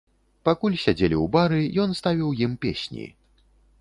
Пакуль сядзелі ў бары, ён ставіў ім песні.